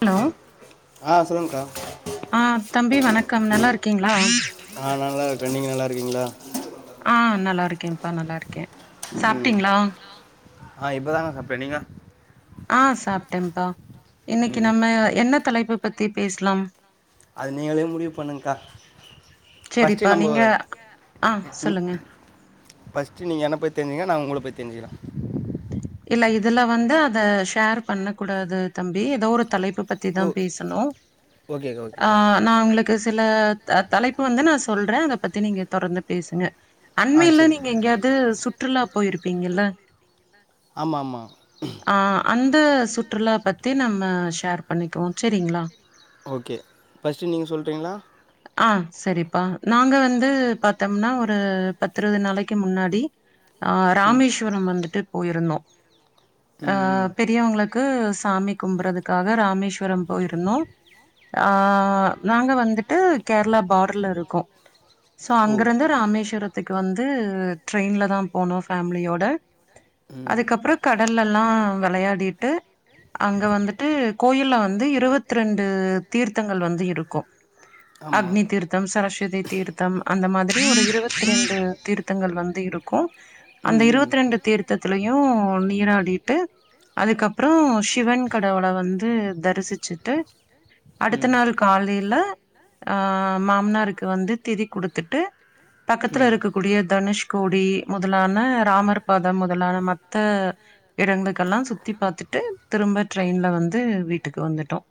hello அ தம்பி வணக்கம் நல்லாருக் க்கீங்ளா அ நல்லா இருக்கே நீங்க நல்லா இரு க்கீங்ளா அ நல்லாருக்கேன்ப்பா நல்லாருக்கே சாப்ட்டிங்ளா அ இப்பதாங்க சாப்டே நீங்க அ சாப்ட்டேம்ப்பா இன்னைக்கு நம்ம என்ன தலைப்பு பத்தி பேசலாம் அது நீங்களே முடிவு பண்ணுங்கா பஸ்ட்டு நம்போ ம் பஸ்ட்டு நீங்க என்ன பத் தென்சிங்க நா உங்கள பத் தெஞ்சிக்லா இல்ல இதுல வந்து அத ஷேர் பண்ண கூடாது தம்பி எதோ ஒரு தலைப்பு பத்தி தா பேசணு அ நா உங்குளுக்கு சில த-தலைப்பு வந்து நா சொல்றே அத பத்தி நீங்க தொடர்ந்து பேசுங்க அண்மையில நீங்க எங்கயாது சு ற்றுலா போயிருப்பீங்கல்ல ஆமா ஆமா அந்த சுற்றுலா பத்தி நம்ம ஷேர் பண்ணிக்குவோம் சரிங்களா ஓகே பஸ்டு நீங்க சொல்றீங்களா ஆ சரிப்பா நாங்க வந்து பாத்தோம்னா ஒரு பத்து இருவது நாளைக்கு முன்னாடி ஆ ராமேஸ்வரம் வந்துட்டு போயிருந்தோம் ஆ பெரியவங்களுக்கு சாமி கும்புறதுக்காக ராமேஸ்வரம் போயிருந்தோம் ஆ நாங்க வந்துட்டு கேரளா பாடர்ல இருக்கோம் சோ அங்கிருந்து ராமேஸ்வரத்துக்கு வந்து வந்து ட்ரெயினல் தான் போனோம் ஃபேமிலியோட ம் கடல்லலா விளையாடிட்டு அங்க வந்துட்டு கோயில்ல வந்து இருவத்து ரெண்டு தீர்த்தங்கள் வந்து இருக்கும் அக்னி தீர்த்தம் சரஸ்வதி தீர்த்தம் அந்த மாதிரி அப்ப ஒரு இருபத்து ரெண்டு தீர்த்தங்கள் வந்து இருக்கும் அந்த இருபத்து ரெண்டு தீர்த்தத்திலயும் நீராடிட்டு அதுக்கப்பறம் சிவன் கடவுளை வந்து தரிசிச்சுட்டு அடுத்த நாள் காலையில ஆ மாமனார் க்கு வந்து திதி குடுத்துட்டு பக்கத்துல இருக்க கூடிய தனுஷ்கோடி முதலான ராமர் பாதம் முதலான ம த்த இடங்களுக்கெல்லாம் சுத்தி பாத்துட்டு திரும்ப ட்ரெயின்ல வந்து வீட்டுக்கு வந்துட்டோம்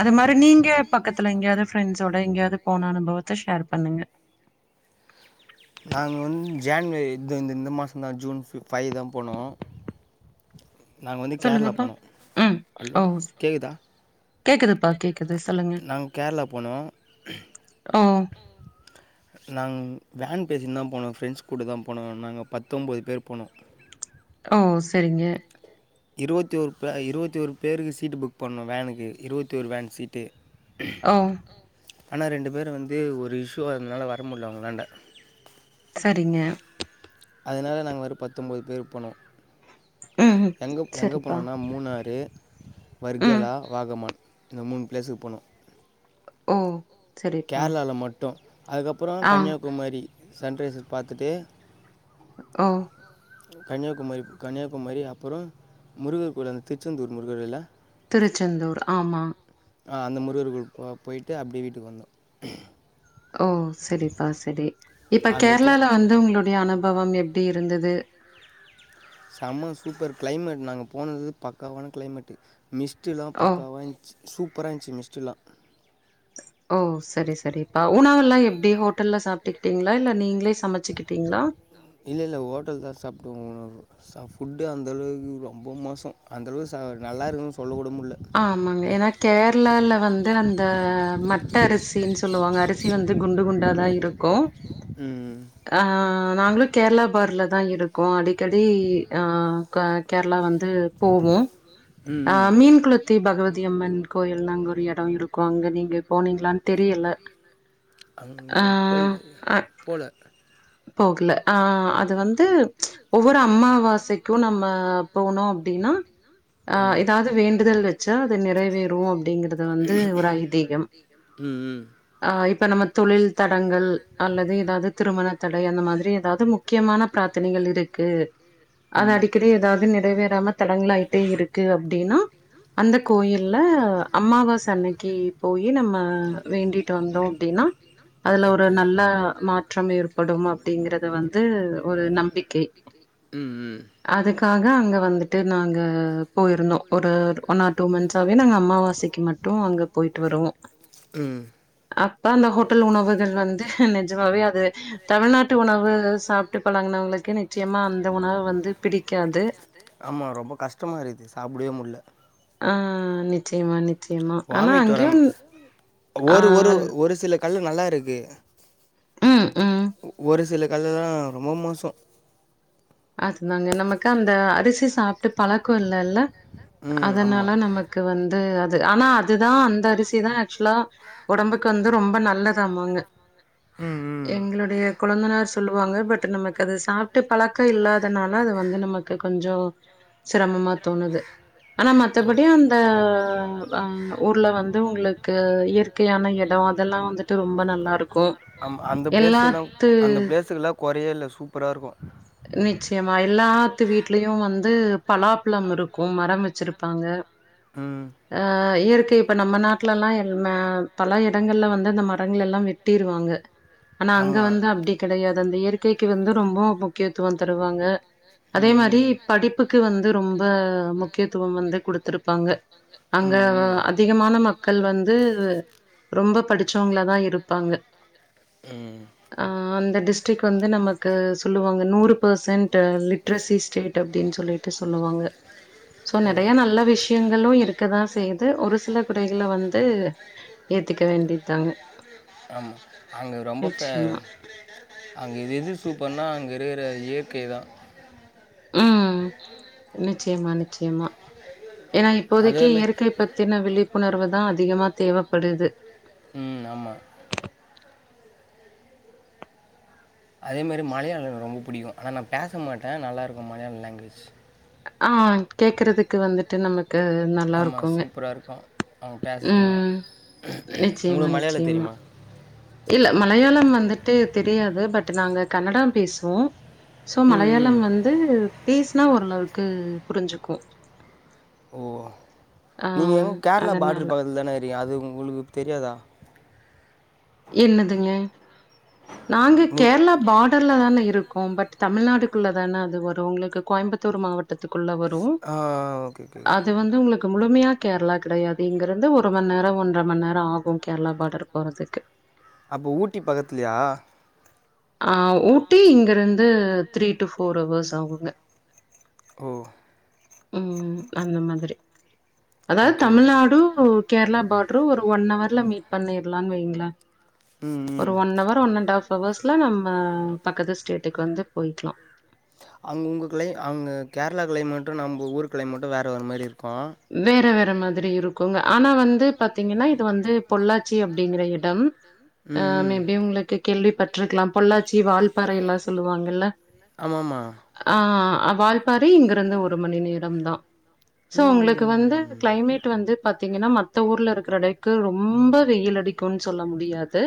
அது மாரி நீங்க பக்கத்துல எங்கேயாவது ஃப்ரெண்ட்ஸோட எங்கேயாவது போன அனுபவத்தை ஷேர் பண்ணுங்க ஜான்வரி இ இந்த இந்த மாதம் தான் ஜூன் ஃ ஃபைவ் தான் போனோம் நாங்க வந்து கேரளா போனோம் ஹலோ கேக்தா நாங்க கேரளா போனோம் நாங்க வேன் பேசட்டு தான் போனோம் ஃப்ரெண்ட்ஸ் கூட தான் போனோம் நாங்க பத்தொன்ம்பது பேர் போனோம் ஓ சரிங்க இருபத்தி ஒரு பே இருபத்தி ஒரு பேருக்கு சீட்டு புக் பண்ணோும் வேனுக்கு இருபத்தி ஒரு வேன் சீட்டு ஓ ஆனால் ரெண்டு பேரும் வந்து ஒரு இஷ்யூ அதனால வர முடியல அவங்களாண்ட சரிங்க அதனால் நாங்கள் வ பத்தொம்பது பேர் போனோம் எங்கே எங்கே போனோனா மூணாறு வர்கர்கலா வாகமான் இந்த மூணு பிளேஸுக்கு போனோம் ஓ கேரளால மட்டும் அதுக்கப்புறம் கன்னியாகுமரி சன்ரைச பாத்துட்டு ஓ கன்னியாகுமரி கன்னியாகுமரி அப்புற முருகர் கோவில் அந்த திருச்செந்தூர் முருகரில்ல திருச்செந்தூர் ஆமா அந்த முருகர் கோயில் போயிட்டு அப்டியே வீட்டுக்கு வந்த ஓ சரிப்பா சரி இப்ப கேரளால வந்து உங்களுடைய அனுபவம் எப் டி இருந்தது செம சூப்பர் கிளைமேட் நாங்க போனது பக்காவான கிளைமேட்டு் மிஸ்டெலா பக்காவ இருஞ்ச் சூப்பரா இஞ்ச்சு மிஸ்டெல்லா ஓ சரி சரிப்பா உணாவெல்லா எப்டி ஹோட்டல்லல சாப்பிட்டுக்கிட்டீங்களா இல்ல நீங்களே இல்ல இல் ஹோட்டல் தா சாப்படுவோ ச ஃபுட்டு அந்தளவுக்கு ரொம்ப மோசோ அந்த அளவுக்கு நல்லா இருக்கு சொல்லக்கூட மு ஆமாங்க ஏன்னா கேரளால வந்து அந்த மட்ட அரிசின்னு சொல்லுவாங்க அரிசி வந்து குண்டு குண்டாதா இருக்கு ஆஹ் நாங்களு கேரளா பார்டல தா இருக்கோ அடிக்கடி ஹ கேரளா வந்து போவோ அஹ் மீன் குள த்தி பகவதிய அம்மன் கோயில்லா அங்க ஒரு எடோ இருக்கு அங்க நீங்க போனீங்களான்னு தெரியல அங்க போய் போல போகல ஆஹ் அது வந்து ஒவ்வொரு அம்மாவாசைக்கு நம்ம போணு அப்டின்னா அஹ் ஏதாது வேண்டுதல் வச்சா அது நிறைவேறு அப்டிங்கறது வந்து ஒரு ஐதீகம் ஆஹ் இப்ப நம்ம தொழில் தடங்கல் அல்லது ஏதாது திருமண தடை அந்த மாரி ஏதாது முக்கியமான பிராத்தனைகள் இருக்கு அது அடிக்கடி ஏதாது நிறைவேறாம தடங்கலாயிட்டே இருக்கு அப்டின்னா அந்த கோயில்ல அம்மாவாச அன்னைக்கி போயி நம்ம வேண்டிட்டு வந்தோ அப்டின்னா அதுல ஒரு நல்ல மாற்றம் இருக் படும் அப்டிங்கறது வந்து ஒரு நம்பிக்கை அதுக் நாங்க அங்க வந்துட்டு நாங்க போயிருந்தோ ஒரு ஒன் ஆர் டூ மந்த்ஸ் ஆவவே நாங்க அம்மாவாசைக்கு மட்டு அங்க போயிட்டு வருவோ அப்ப அப்ப அந்த ஹோட்டல் உணவுகள் வந்து நிஜமாவே அது ஆமா ரொம்ப கஷ்டமா இருக்குது சாப்டவே முடில ஆஹ் நிச்சயமா நி சியமா ஆனா அங்கயு ஒரு ஒரு ஒரு சில கள்ளு நல்லா இருக்கு ஒரு சில கள்ளுலா ரொம்ப மோசோ அத் நாங்க நமக்கு அந்த அரிசி சாப்ட்டு பழக்கோ இல்லல்ல அதனால நமக்கு வந்து அ து ஆனா அதுதா அந்த அரிசி தா ஆக்சுவல்லா ஒடம்புக்கு வந்து ரொம்ப நல்லதாமாங்க எங்களுடைய கொழந்தனார் சொல்லுவாங்க பட் நமக்கு அது சாப்ட்டு பல க்க இல்லாதனால அது வந்து நமக்கு கொஞ்சோ சிரமமா தோணுது ஆனா மத்தபடி அந்த அ ஊர்ல வந்து உங்குளுக்கு இயற்கையான எடோ அதெல்லா வந்துட்டு ரொம்ப நல்லா இருக்கோ எல்லாத்து கொறையே இல்ல சூப்பரா இருக்கோ நிச்சியமா எல்லாத்து வீட்லயு வந்து பலாபழம் இருக்கும் மரம் வச்சிருப்பாங்க ஆ இயற் இப்ப நம்ம நாட்லலா [unintelligible] பல எடங்கள்ல வந்து அந்த மரங்களலா வெட்டிருவாங்க ஆனா அங்க வந்து அப்டி கெடையாது அந்த இயற் கைக்கு வந்து ரொம்போ கே முக்கியத்துவம் தருவாங்க அதே மாரி படிப்புக்கு வந்து ரொம்ப முக்கியத்துவம் வந்து கொடு த்துருப்பாங்க அங்க வ அதிகமான மக்கள் வந்து ரொம்ப படிச்சவுங்களதா இருப்பாங்க ஆ அந்த டிஸ்ட்ரிக்ட் வந்து நமக்கு சொல்லுவாங் த நூறு பெர்சென் ட லிதேரசி ஸ்டேட் அப்டின்னு சொல் டி சொல்லுவாங்க சோ நெறைய நல்ல விஷயங்களோ இருக்கதா செய்து ஒரு சில குறைகள வந்து ஏத்துக்க வேண்டிதாங்க நிச்சிமா அங்க இது எது சூப்பர்னா அங்க இருக்கற இயற்கைதா உம் மே நிச்சயமா நிச்சயமா ஏன்னா இப்போதைக்கு இயற்கை பத்தின விழி புணர்வு தா அதிகமா தேவப்படுது உம் ஆமா அதேமாரி மலையாள எனக்கு ரொம்ப புடிக்கு ஆனா நா பேச மாட்டே நல்லாருக்கு மலையாள லாங்குவேஜ் டு நமக் ஆமா சூப்பர இருக்கு அவங்க பேசறதுல்லா உங்களுக்கு மலையாள தெரியுமா இல்லை மலையாளம் வந்துட்டு தெரியாது பட் நாங்க கன்னடம் பேசுவோ சோ மலையாளம் வந்து பேச னா ஓரளவுக்கு புரிஞ்சுக்கு ஓ நீங்க எங்க கேரளா பார்டர் பக்கத்துல தானே இருக்கிங்க அது உங்களுக்கு தெரியாதா என்னதுங்க நாங்க கேரளா பார்டர்ல தானே இரு கோ பட் தமிழ்நாடுக்குள்ளதான அது வரு உங்களுக்கு கோயம்புத்தூர் மாவட்டத்துக்கு ள்ள வரு அது வந்து உங்களுக்கு முழுமையா கேரளா கிடையாது இங்கிருந்து ஒரு மணி நேர ஒன்றரை மணி நேர ஆகு கேரளா பார்டர் போறதுக்கு அப்போ ஊட்டி பக்கத்துலையா அஹ் ஊட்டி இங்க இருந்து த்ரீ டு ஃபோர் ஹவர்ஸ் ஆகுங்க ஓ உம் அந்த மாதிரி அதாவது தமிழ்நாடு கேரளா பார்ட ஒரு ஒன் ஹவர்ல மீட் பண்ணிடலானு வைங்களே ஒரு one hour one and half hours எல்லா நம்ம பக்கத்து ஸ்டேட் வீட்டுக்கு வந்து போய்க்கலாம் அங்கே உங்க கிளை அங்கே கேரள கிளைமேட்டும் நம்ம ஊர் கிளைமேட்டும் வேறு வேற மாரி இருக்கு வேற வேற மாதிரி இருக்குங்க ஆனா வந்து பாத்தீங்கன்னா இது வந்து பொள்ளாச்சி அப்படிங்கிற இடம் அஹ் மேபி உங்களுக்கு கேள்வி இருக்கலாம் பொள்ளாச்சி வால்பாறை எல்லா சொல்லுவாங்கல்ல ஆஹ் ஆ வால் பாறை இங்கிருந்து ஒரு மணி நேரம் தான் சோ உங்களுக்கு வந்து கிளைமேட் வந்து பாத்தீங்கன்னா மத்த மத்த ஊர்ல இருக்கு டைக்கு ரொம்ப வெயில் அடிக்கும்னு சொல்ல முடியாது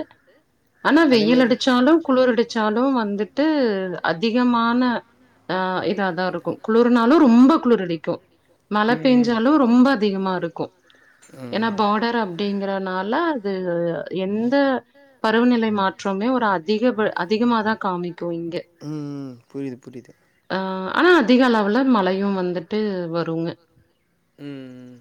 ஆனா வெயில் அடிச்சாலும் குளிர் அடிச்சாலும் வந்துட்டு அதிகமான அஹ் இதாதா இருக்கும் குளுர்னாலு ரொம்ப குளுர்ரடிக்கும் மழ பேஞ்சாலு ரொம்ப அதிகமா இருக்கு ஏன்னா பாடரா அப்டிங்கறனால அது எந்த பருவநிலை மாற்றமே ஒரு அதிக அதிகமாதா காமிக்கு இங்க ஆஹ் ஆனா அதிக அளவுல மழையும் வந்துட்டு வருங்க உம்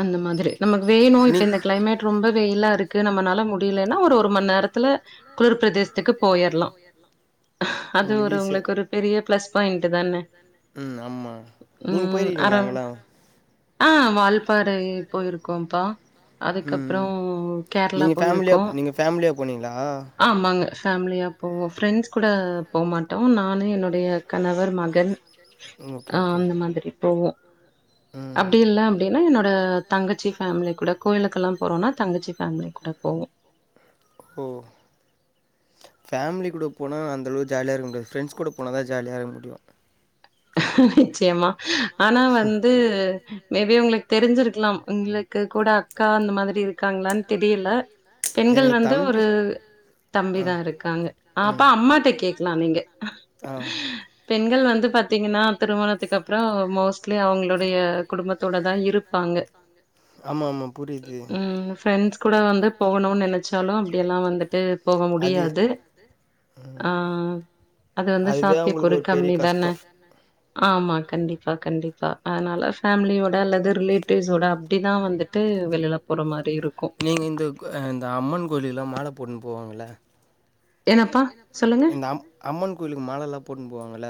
அந்த மாரி நமக்கு வேணு இப்ப இந்த கிளைமேட் ரொம்ப வெயிலா இரு இருக்கு நம்மனால முடியலன்னா ஒரு ஒரு மணி நேரத்துல குளிர் பிரதேசத்துக்கு போய்றலா அது ஒரு உங்களுக்கு ஒரு பெரிய பிளஸ் பாயிண்ட் தானே உஹம் அற ஆஹ் வால் ப்பற போயிருக்கோம்ப்பா ம் நீங்க ஃபேமிலியா நீங்க ஃபேமிலியா போனீங்களா ஃபேமிலியா போவோ ஃப்ரெண்ட்ஸ் கூட போகமாட்டோம் நானும் என்னுடைய கணவர் மகன் ஆஹ் அந்த மாதிரி போவோ அப்டி இல்ல அப்டி என்னோட தங்கச்சி ஃபேமிலி கூட கோயிலுக்கெல்லா போறோம்னா தங்கச்சி ஃபேமிலி கூட போவோ ஓ ஃபேமிலி கூட போனால் அந்தளவுக்கு ஜாலியாக இருக்க முடியாது ஃப்ரெண்ட்ஸ் கூட போனா தா ஜாலியா இருக்க முடியும் நிச்சயமா ஆனா வந்து மேபி உங்களுக்கு தெரிஞ்சிருக்கலாம் உங்களுக்கு கூட அக்கா அந்த மாரி இருக்காங்களனு தெரியல பெண்கள் வந்து ஒரு தம்பிதா இருக்காங்க அப்ப அம்மாட்ட கேக்கலா நீங்க பெண்கள் வந்து ப பாத்தீங்கன்னா திருமணத்துக்கு அப்புறம் மோஸ்ட்லி அவர்கோளோட குடும்பத்தோட தா இருப்பாங்க உம் ஃப்ரெண்ட்ஸ் கூட வந்து போகணும்னு நெனைச்சாலு அப்பிடியெல்லா வந்துட்டு போக முடியாது ஆஹ் அது வந்து சாத்தியக் கூறு கம்மிதான ஆமா கண்டிப்பா கண்டிப்பா அதனால ஃபேமிலியோட அல்லது ரிலேட்டிவ்ஸோட அப்பிடிதா வந்துட்டு வெளியில போற மாரி நீங்க இந்த இந்த அம்மன் கோவில்லா மால போட்டுனு போவாங்கள இந்த அம் அம்மன் கோயிலுக்கு மால எல்லா போட்டுனு போவாகல்ல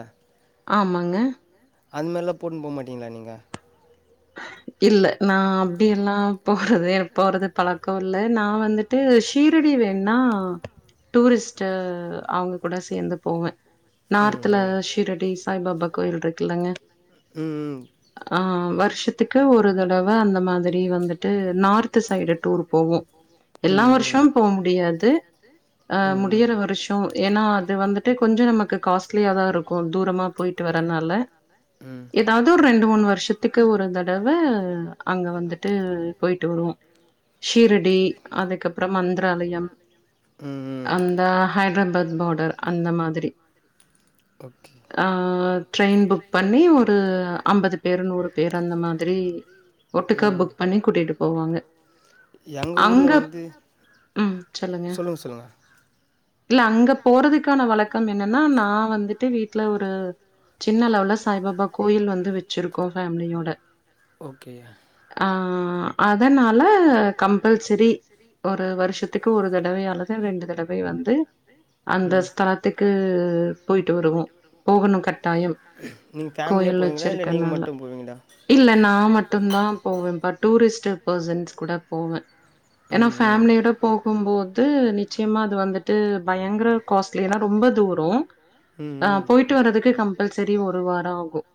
ஆமாங்க அந்த மாரகலாம் போட்டுன்னு போக மாட்டீங்களா நீங்க இல்ல நா அப்டியெல்லா போறது போறது பழக்கம் இல்ல நா வந்துட்டு ஷீரடி வேணுன்னா டூரிஸ்ட அவங்க கூட சேந்து போவே நார்துல ஸ்ரீரெடி சாய்பாபா கோயில் இருக்குல்லங்க உம்ம் ஆ வருஷம் த்துக்கு ஒரு தடவ அந்த மாரி வந்துட்டு நார்த் சைடு டூர் போவோ எல்லா வருஷமும் போக முடியாது அஹ முடியற வருஷம் ஏன்னா அது வந்துட்டு கொஞ்சம் நமக்கு காஸ்ட்லிய தா இருக்கு தூரமா போயிட்டு வரனால ஏதாவது ஒரு ரெண்டு மூணு வருஷத்துக்கு ஒரு தட ரு தடவ அங்க வந்துட்டு போயிட்டு வருவோம் சீரடி அதுக்கப்புறம் மந்திராலயம் அந்த ஹைதராபாத் பார்டர் அந்த மாதிரி டிரைன் புக் பண்ணி ஒரு ஐம்பது பேர் நூறு பேர் அந்த மாதிரி சிரி ஒட்டுக்கா புக் பண்ணி கூட்டிட்டு போவாங்க அங்க உம் சொல்லுங்க இல்ல அங்க போறதுக்கான வழக்கம் என்னன்னா நான் வந்துட்டு வீட்டுல ஒரு சின்ன அளவுல சாய்பாபா கோயில் வந்து வச்சிருக்கோம் ஃபேமிலியோட ஓகே [inaudible] அதனால கம்பல்சரி ஒரு வருஷத்துக்கு ஒரு தடவை அல்லது ரெண்டு தடவை வந்து அந்த ஸ்தலத்துக்கு போயிட்டு வருவோம் போகணும் கட்டாயம் கோயில் வச்சிருக்கனால இல்ல ந மட்டும் தான் போவேன்பா இ டூரிஸ்ட் பர்சன்ஸ் கூட போவேன் ஏன்னா ஃபேமிலியோட போகும்போது நிச்சயமா அது வந்துட்டு பயங்கர காஸ்ட்லி ரொம்ப தூரம் போயிட்டு வர்ளதுக்கு கம்பல்சரி ஒரு வாரம் ஆகும்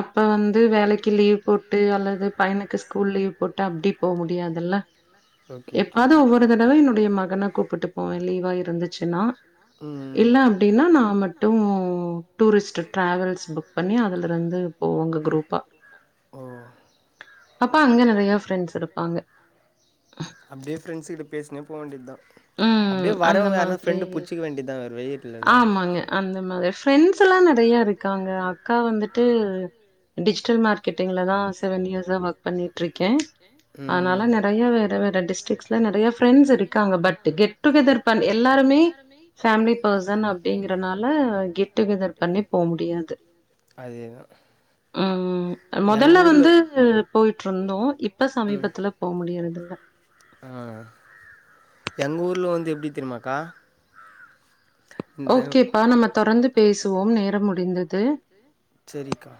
அப்ப வந்து வேலைக்கு லீவ் போட்டு அல்லது பையனுக்கு ஸ்கூல் லீவ் போட்டு அப்படி போக முடியாதுல்ல எப்பாவது ஒவ்வொரு தடவை என்னுடைய மகனெ கூப்பிட்டு போவேன் லீவா இருந்துச்சுன்னா இல்ல அப்படின்னா நான் மட்டும் டூரிஸ்ட் டிராவல்ஸ் புக் பண்ணி அதுல இருந்து போவங்க குரூப்பா அப்பா அங்க நிறைய ப்ரெண்ட்ஸ் இருப்பாங்க உம் ம் அந்த மாதிரி ஆமாங்க அந்த மாதிரி ஃப்ரண்டஸ் ஃபிரெண்ட்ஸெல்லா நிறைய இருக்காங்க அக்கா வந்துட்டு டிஜிட்டல் மார்ட் உம் ஐயயோ உம் முதல்ல வந்து போயிட்ருந்தோ இப்ப சமீபத்துல போ முடியறதுல்ல எப்பிடி தெரியுமாக்கா ஓகேப்பா நம்ம தொடர்ந்து பேசுவோம் நேரம் முடிந்தது சரிக்கா